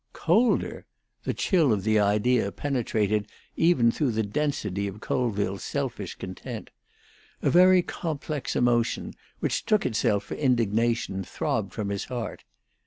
"Colder!" The chill of the idea penetrated even through the density of Colville's selfish content. A very complex emotion, which took itself for indignation, throbbed from his heart.